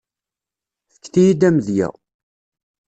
Efket-iyi-d amedya.